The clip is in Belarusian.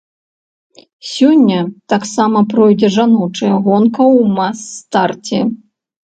Сёння таксама пройдзе жаночая гонка ў мас-старце.